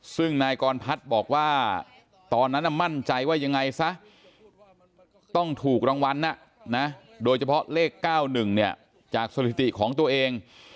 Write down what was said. ซึ่งนายกรพัฒน์บอกว่าตอนนั้นมั่นใจว่ายังไงซะต้องถูกรางวัลโดยเฉพาะเลข๙๑จากสถิติของตัวเอง